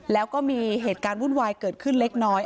แล้วก็มีเหตุการณ์วุ่นวายเกิดขึ้นเล็กน้อย